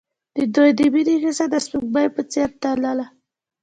د دوی د مینې کیسه د سپوږمۍ په څېر تلله.